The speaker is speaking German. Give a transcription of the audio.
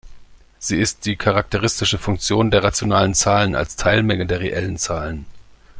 Sie ist die charakteristische Funktion der rationalen Zahlen als Teilmenge der reellen Zahlen.